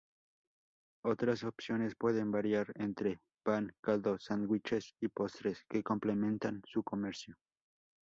Otras opciones pueden variar entre pan, caldo, sándwiches, y postres que complementan su comercio.